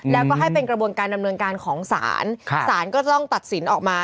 แล้วก็ให้เป็นกระบวนการดำเนินการของศาลศาลก็จะต้องตัดสินออกมา